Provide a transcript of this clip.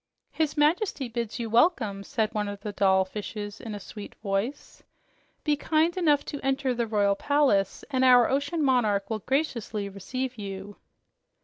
"His Majesty bids you welcome," said one of the doll fishes in a sweet voice. "Be kind enough to enter the royal palace, and our ocean monarch will graciously receive you."